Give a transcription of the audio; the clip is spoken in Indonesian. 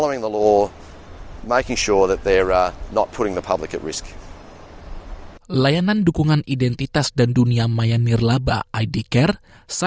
untuk memastikan mereka melakukan resiko yang mungkin untuk pengguna dan publik yang tersisa